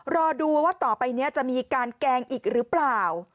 รอดูว่าต่อไปนี้จะมีการแกล้งอีกหรือเปล่า